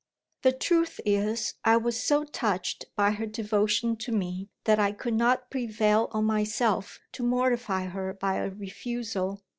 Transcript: The truth is, I was so touched by her devotion to me, that I could not prevail on myself to mortify her by a refusal.